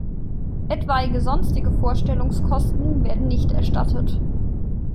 Etwaige sonstige Vorstellungskosten werden nicht erstattet.